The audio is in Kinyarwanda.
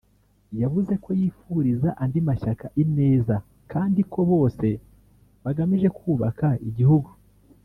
yavuze ko yifuriza andi mashyaka ineza kandi ko bose bagamije kwubaka igihugu